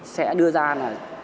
sẽ đưa ra là